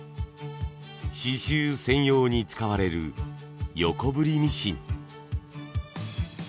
刺繍専用に使われる横振りミシン。